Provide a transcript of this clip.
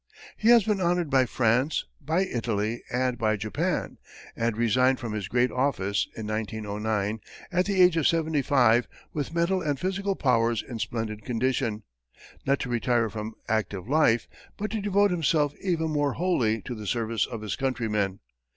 He has been honored by France, by Italy, and by Japan, and resigned from his great office, in 1909, at the age of seventy five, with mental and physical powers in splendid condition, not to retire from active life, but to devote himself even more wholly to the service of his countrymen.